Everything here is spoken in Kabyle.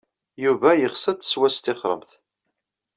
Yuba yeɣs ad tettwastixremt.